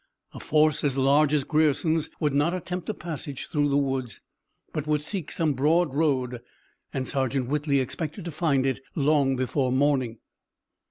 A force as large as Grierson's would not attempt a passage through the woods, but would seek some broad road and Sergeant Whitley expected to find it long before morning.